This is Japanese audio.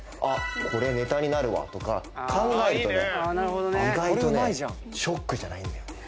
これネタになるわとか考えるとね意外とねショックじゃないんだよね。